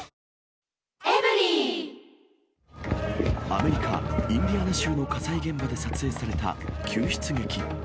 アメリカ・インディアナ州の火災現場で撮影された救出劇。